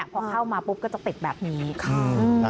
พอเข้ามาปุ๊บก็จะติดแบบนี้ค่ะ